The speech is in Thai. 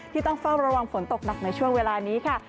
ต้องเฝ้าระวังฝนตกหนักในช่วงเวลานี้ค่ะ